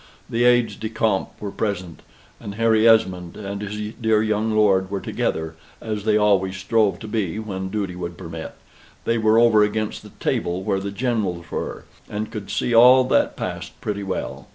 The aides de camp were present: and Harry Esmond and his dear young lord were together, as they always strove to be when duty would permit: they were over against the table where the generals were, and could see all that passed pretty well.